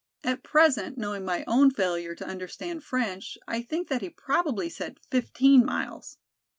At present, knowing my own failure to understand French I think that he probably said fifteen miles.